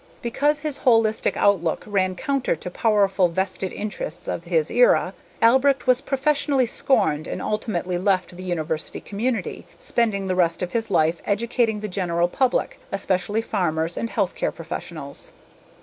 Because his holistic outlook ran counter to powerful vested interests of his era, Albrecht was professionally scorned and ultimately left the university community, spending the rest of his life educating the general public, especially farmers and health care professionals.